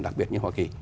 đặc biệt như hoa kỳ